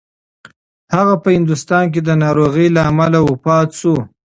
هغه په هندوستان کې د ناروغۍ له امله وفات شو.